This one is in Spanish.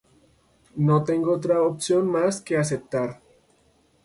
No tengo otra opción más que aceptar.